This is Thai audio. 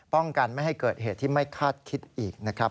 ป้องกันไม่ให้เกิดเหตุที่ไม่คาดคิดอีกนะครับ